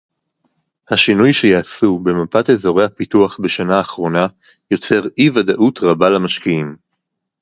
השינוי שיעשו במפת אזורי הפיתוח בשנה האחרונה יוצר אי-ודאות רבה למשקיעים